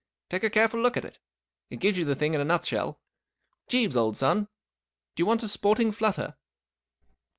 Take a careful look at it. It gives you the thing in a nutshell. Jeeves, old son, do you want a sporting flutter